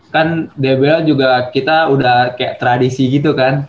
kan dbl juga kita udah kayak tradisi gitu kan